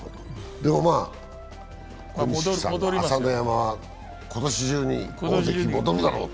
朝乃山は今年中に大関に戻るだろうと。